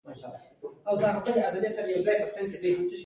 د لیک ښوونځي د انسان د پوهې سرچینه شول.